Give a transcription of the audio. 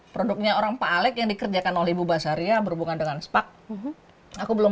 produknya orang pak alec yang dikerjakan oleh bu basarya berhubungan dengan sepak aku belum